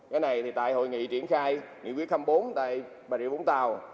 cái này thì tại hội nghị triển khai nghị quyết khăm bốn tại bà rịa vũng tàu